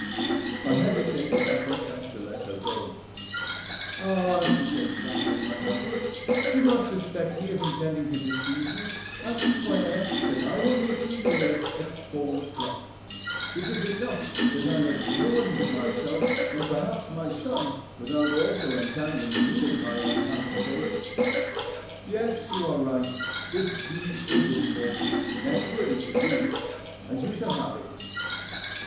I hesitated, I confess, to let her go. 'Ah,' she said, grasping my hands, 'do not suspect me of intending to deceive you! I swear that I will meet you here at four o'clock. It is enough that I have ruined myself, and perhaps my son, without also entangling you in my unhappy fate. Yes, you are right; this deed is important, necessary for you, and you shall have it.